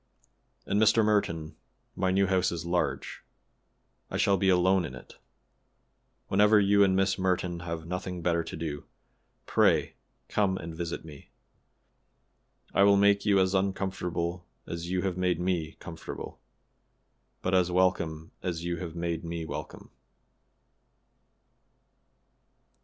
"And, Mr. Merton, my new house is large. I shall be alone in it. Whenever you and Miss Merton have nothing better to do, pray come and visit me. I will make you as uncomfortable as you have made me comfortable, but as welcome as you have made me welcome."